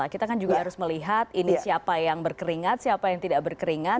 kita kan juga harus melihat ini siapa yang berkeringat siapa yang tidak berkeringat